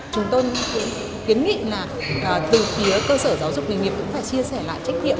chúng tôi kiến nghị là từ phía cơ sở giáo dục nghề nghiệp cũng phải chia sẻ lại trách nhiệm